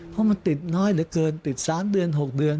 เพราะมันติดน้อยเหลือเกินติด๓เดือน๖เดือน